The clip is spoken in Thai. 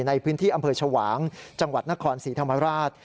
ในพื้นที่อำเภอชวางจังหวัดนครศรีธรรมราช